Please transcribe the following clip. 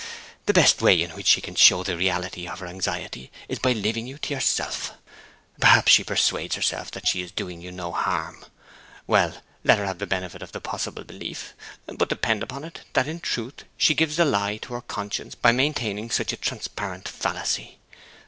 The best way in which she can show the reality of her anxiety is by leaving you to yourself. Perhaps she persuades herself that she is doing you no harm. Well, let her have the benefit of the possible belief; but depend upon it that in truth she gives the lie to her conscience by maintaining such a transparent fallacy.